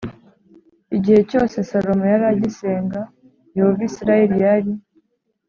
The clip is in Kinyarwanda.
Igihe cyose salomo yari agisenga yehova isirayeli yari